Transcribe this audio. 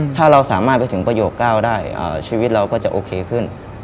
ถ้าเราสามารถไปถึงประโยค๙ได้ชีวิตเราก็จะโอเคขึ้น